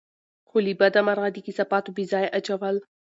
خو له بده مرغه، د کثافاتو بېځايه اچول